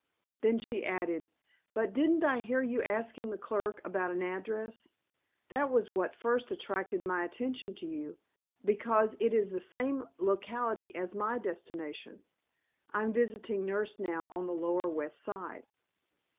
Then she added: "But didn't I hear you asking the clerk about an address? That was what first attracted my attention to you, because it is the same locality as my destination. I'm visiting nurse now on the lower West Side."